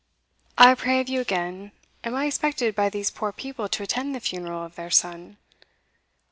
I pray of you again, am I expected by these poor people to attend the funeral of their son?"